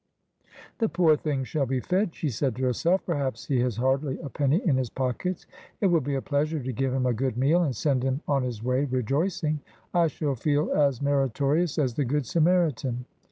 ' The poor thing shall be fed,' she said to herself. ' Perhaps he has hardly a penny in his pockets. It will be a pleasure to give him a good meal and send him on his way rejoicing. I shall feel as meritorious as the Good Samaritan.'